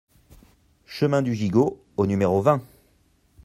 Chemin du Gigot au numéro vingt